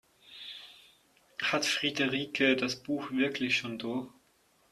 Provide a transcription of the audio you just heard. Hat Friederike das Buch wirklich schon durch?